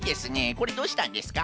これどうしたんですか？